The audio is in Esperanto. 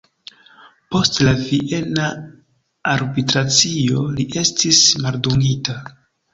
Post la viena arbitracio li estis maldungita.